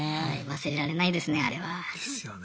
忘れられないですねあれは。ですよね。